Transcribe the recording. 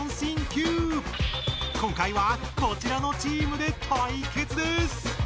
今回はこちらのチームで対決です！